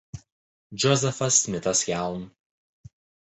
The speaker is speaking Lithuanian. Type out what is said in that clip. Džozefas Smitas Jaun.